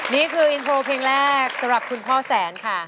นี่คืออินโทรเพลงแรกสำหรับคุณพ่อแสนค่ะ